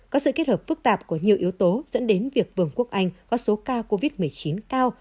có sự kết hợp phức tạp của nhiều yếu tố dẫn đến việc vương quốc anh có số ca covid một mươi chín cao